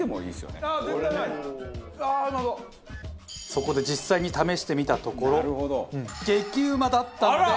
そこで実際に試してみたところ激うまだったので。